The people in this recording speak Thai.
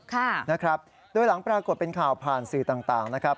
ค่ะนะครับโดยหลังปรากฏเป็นข่าวผ่านสื่อต่างนะครับ